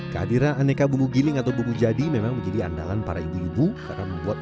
kehadiran aneka bumbu giling atau bumbu jadi memang menjadi andalan para ibu ibu karena membuat